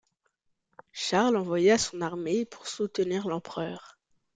Charles envoya son armée pour soutenir l'Empereur.